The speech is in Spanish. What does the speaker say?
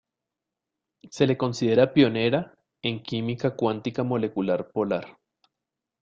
Se le considera pionera en química cuántica molecular polar.